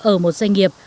ở một doanh nghiệp